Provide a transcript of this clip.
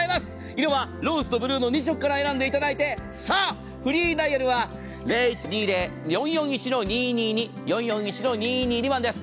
色はローズとブルーの２色から選んでいただいてフリーダイヤルは０１２０‐４４１‐２２２４４１‐２２２番です。